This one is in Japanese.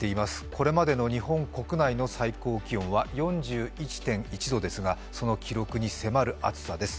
これまでの日本国内の最高気温は４１．１度ですがその記録に迫る暑さです。